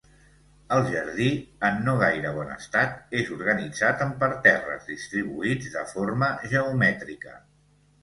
El jardí, en no gaire bon estat, és organitzat en parterres distribuïts de forma geomètrica.